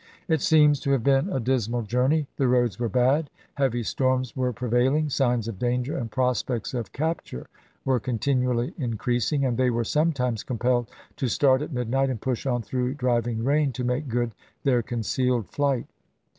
It seems to have been a dismal journey ; the roads were bad, heavy storms were prevailing ; signs of danger and prospects of capture were continually increasing, and they were sometimes compelled to start at midnight and push on through driving rain to make good their concealed flight.